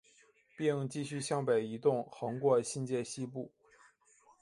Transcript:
并继续向北移动横过新界西部。